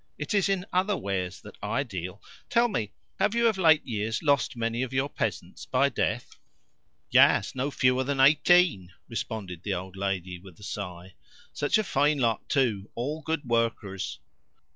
It is in other wares that I deal. Tell me, have you, of late years, lost many of your peasants by death?" "Yes; no fewer than eighteen," responded the old lady with a sigh. "Such a fine lot, too all good workers!